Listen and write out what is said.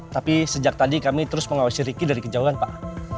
tapi sejak tadi kami terus mengawasi riki dari kejauhan pak